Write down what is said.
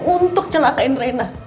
untuk celakain rena